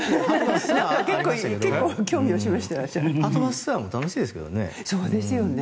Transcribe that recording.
はとバスツアーも楽しいですけどね。